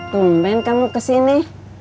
kemben kamu kesini